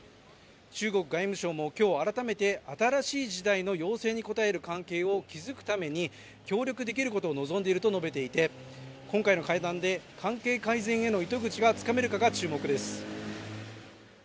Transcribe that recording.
中国外務省も今日改めて新しい時代の要請に応える関係を築くために協力できることを望んでいると述べていて今回の会談で関係改善への糸口がつかめるかが注目です。